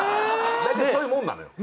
大体そういうものなのよ。